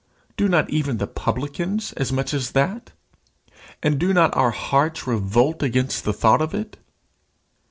Do not even the publicans as much as that? And do not our hearts revolt against the thought of it?